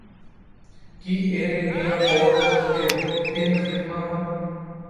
ਕੀ Air India ਕੋਲ ਇਹੋ ਤਿੰਨ ਫਿਲਮਾਂ ਹਨ